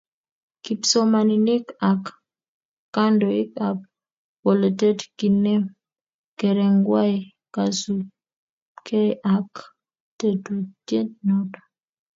kipsomaninik ak kandoik ab bolotet kinem kerengwai kosupkei ak tetutiet noto